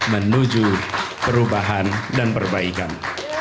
menuju perubahan dan perbaikan